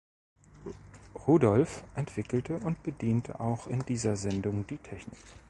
Rudolph entwickelte und bediente auch in dieser Sendung die Technik.